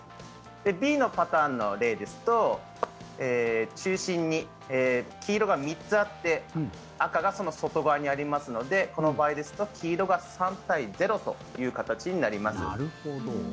Ｂのパターンの例ですと中心に黄色が３つあって赤がその外側にありますのでこの場合ですと黄色が３対０という形になります。